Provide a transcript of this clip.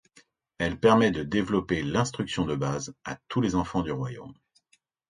Elle permet de développer l’instruction de base à tous les enfants du royaume.